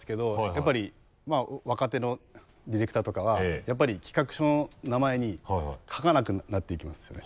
やっぱりまぁ若手のディレクターとかはやっぱり企画書の名前に書かなくなっていきますよね。